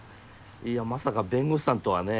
いやまさか弁護士さんとはね。